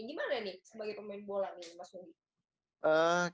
gimana nih sebagai pemain bola nih mas bobi